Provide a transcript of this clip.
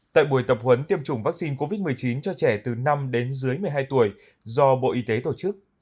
tại buổi tập huấn tiêm chủng vaccine covid một mươi chín cho trẻ từ năm đến dưới một mươi hai tuổi do bộ y tế tổ chức